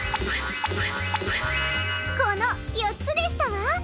このよっつでしたわ。